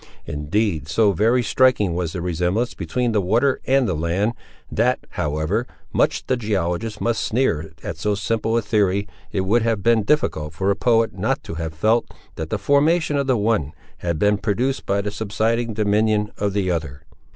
Indeed so very striking was the resemblance between the water and the land, that, however much the geologist might sneer at so simple a theory, it would have been difficult for a poet not to have felt, that the formation of the one had been produced by the subsiding dominion of the other.